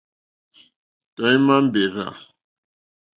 Tɔ̀ímá mbèrzà.